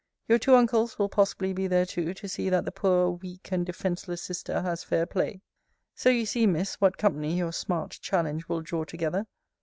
Your two uncles will possibly be there too, to see that the poor, weak, and defenceless sister has fair play. So, you see, Miss, what company your smart challenge will draw together.